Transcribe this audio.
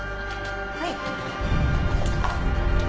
はい。